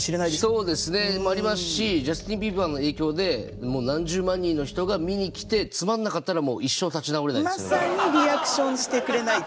そうですね。もありますしジャスティンビーバーの影響で何十万人の人が見に来てつまんなかったらまさにリアクションしてくれない。